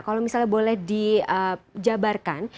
kalau misalnya boleh dijabarkan